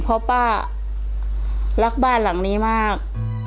เพราะป้ารักบ้านหลังนี้มาก